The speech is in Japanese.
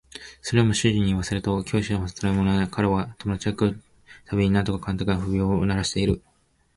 それでも主人に言わせると教師ほどつらいものはないそうで彼は友達が来る度に何とかかんとか不平を鳴らしている